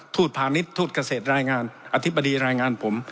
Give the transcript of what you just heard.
พาณิชย์ทูตเกษตรรายงานอธิบดีรายงานผม